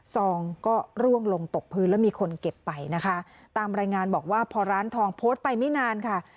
ซองก็ร่วงลงตกพื้นแล้วมีคนเก็บไปนะคะตามรายงานบอกว่าพอร้านทองโพสต์ไปไม่นานค่ะ